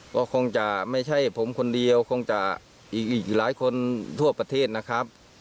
ก็คงจะไม่ใช่ผมคนเดียวคงจะอีกหลายคนทั่วประเทศนะครับ